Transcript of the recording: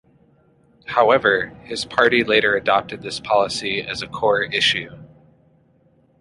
However, his party later adopted this policy as a core issue.